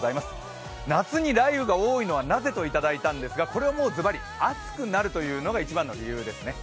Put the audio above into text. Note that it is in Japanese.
夏に雷雨が多いのはなぜといただいたんですがこれはもうズバリ、暑くなるというのが一番の理由ですね。